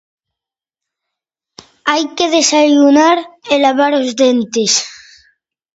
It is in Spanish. Hay que desayunar y lavar los dientes.